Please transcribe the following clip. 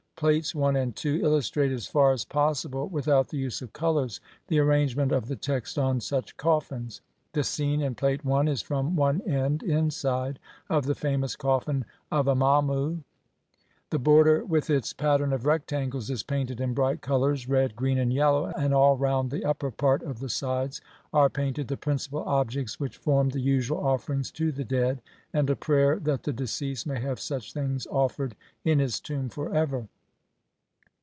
Plates I and II illustrate as far as possible without the use of colours the ar rangement of the text on such coffins. The scene in Plate I is from one end (inside) of the famous coffin of Amamu (Brit. Mus. No. 6,654). The border with its pattern of rectangles is painted in bright colours, red, green, and yellow, and all round the upper part of the sides are painted the principal objects which formed the usual offerings to the dead, and a prayer that the deceased may have such things offered in his tomb for ever.